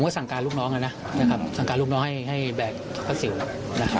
ก็สั่งการลูกน้องนะครับสั่งการลูกน้องให้แบกพระสิวนะครับ